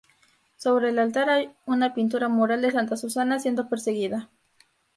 Sobre el altar hay una pintura mural de santa Susana siendo perseguida.